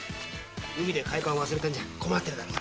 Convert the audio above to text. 海で海パン忘れたんじゃ困ってるだろうから。